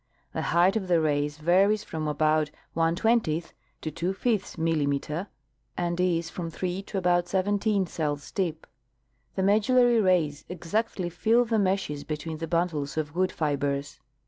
The height of the rays varies from about 2V ^^ f mm, and is from three to about seventeen cells deep. The medullary rays exactly fill the meshes between the bundles of wood fibers.